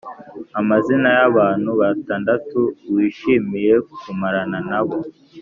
amazina yabantu batandatu wishimiye kumarana nabo